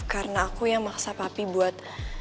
karena aku yang maksa papi buat